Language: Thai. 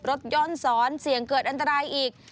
รถย้อนสอนเสี่ยงเกิดอันตรายอีก